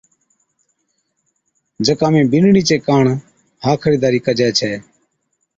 جڪا ۾ بِينَڏڙِي چي ڪاڻ ھا خريداري ڪجي ڇَي،